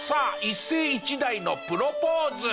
一世一代のプロポーズ！